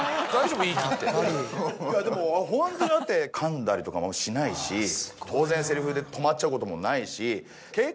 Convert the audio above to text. でもホントだってかんだりとかもしないし当然台詞で止まっちゃうこともないし。